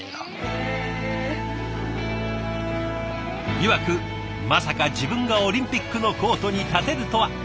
いわく「まさか自分がオリンピックのコートに立てるとは」。